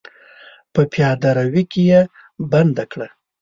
په پياده رو کې يې منډه کړه.